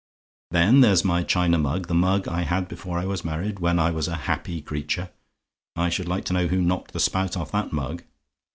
"Then there's my china mug the mug I had before I was married when I was a happy creature. I should like to know who knocked the spout off that mug?